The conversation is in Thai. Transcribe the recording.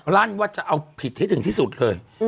ลั่นว่าจะเอาผิดให้ถึงที่สุดเลย